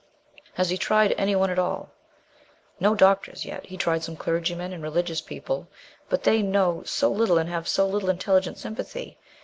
"Has he tried any one at all ?" "Not doctors yet. He tried some clergymen and religious people; but they know so little and have so little intelligent sympathy.